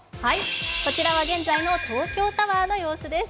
こちらは現在の東京タワーの様子です。